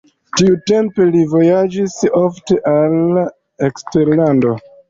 Tiutempe li vojaĝis ofte al eksterlando.